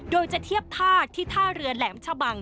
โดยจะเทียบท่าที่ท่าเรือแหลมชะบัง